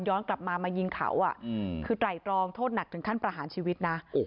กลับมามายิงเขาคือไตรตรองโทษหนักถึงขั้นประหารชีวิตนะ